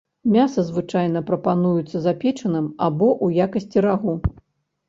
Мяса звычайна прапануецца запечаным або ў якасці рагу.